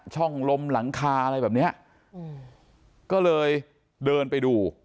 ช่องลมหลังคาอะไรแบบเนี้ยอืมก็เลยเดินไปดู